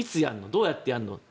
どうやってやるの？